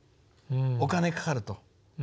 お金かかると。